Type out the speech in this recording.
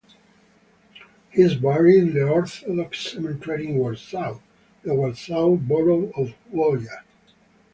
He is buried in the Orthodox Cemetery in Warsaw, the Warsaw borough of Wola.